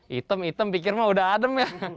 hitam hitam pikir mah udah adem ya